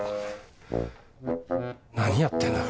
何やってんだ？